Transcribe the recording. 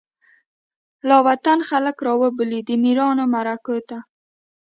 لاوطن خلک رابولی، دمیړانومعرکوته